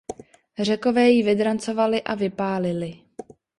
Řekové ji vydrancovali a vypálili.